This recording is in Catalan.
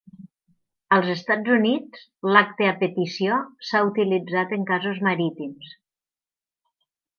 Als Estats Units, l'"acte a petició" s'ha utilitzat en casos marítims.